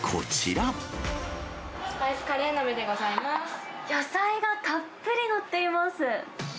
スパイスカレー鍋でございま野菜がたっぷり載っています。